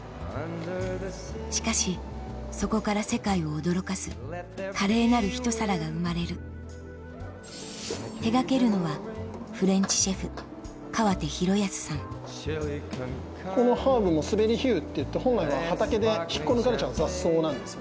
しかしそこから世界を驚かす華麗なるひと皿が生まれる手掛けるのはこのハーブもスベリヒユっていって本来は畑で引っこ抜かれちゃう雑草なんですよね。